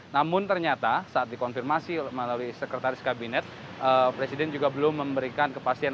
namun ternyata saat dikonfirmasi melalui sekretaris kabinet presiden juga belum memberikan kepastian